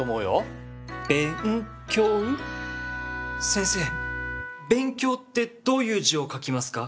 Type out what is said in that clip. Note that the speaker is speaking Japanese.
先生「べんきょう」ってどういう字を書きますか？